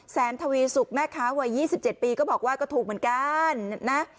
แสนทวีสุขแม่ค้าวัยยี่สิบเจ็ดปีก็บอกว่าก็ถูกเหมือนกันนะ